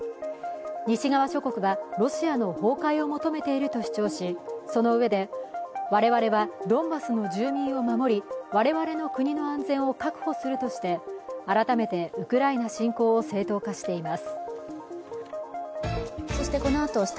西側諸国はロシアの崩壊を求めていると主張しそのうえで我々はドンバスの住民を守り、我々の国の安全を確保するとして改めてウクライナ侵攻を正当化しています。